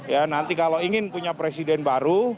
ya nanti kalau ingin punya presiden baru